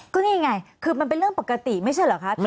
ก็นี่ไงคือมันเป็นเรื่องปกติไม่ใช่เหรอคะ